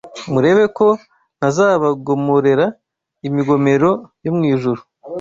murebe ko ntazabagomororera imigomero yo mu ijuru